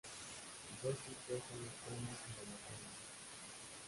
Sus dos tipos son los conos y los bastones.